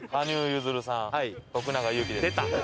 出た。